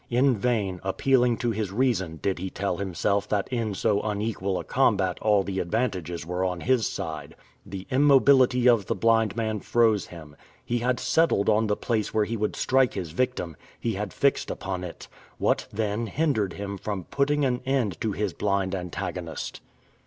In vain, appealing to his reason, did he tell himself that in so unequal a combat all the advantages were on his side. The immobility of the blind man froze him. He had settled on the place where he would strike his victim. He had fixed upon it! What, then, hindered him from putting an end to his blind antagonist?